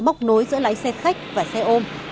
móc nối giữa lái xe khách và xe ôm